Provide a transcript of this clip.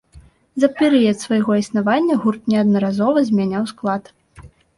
За перыяд свайго існавання гурт неаднаразова змяняў склад.